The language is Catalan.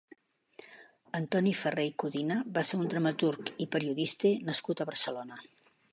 Antoni Ferrer i Codina va ser un dramaturg i periodista nascut a Barcelona.